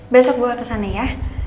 besok gue kesana ya